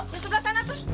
di sebelah sana tuh